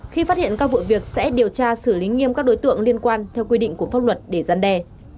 khi phát hiện các vụ việc sẽ điều tra xử lý nghiêm các đối tượng liên quan theo quy định của pháp luật để gian đe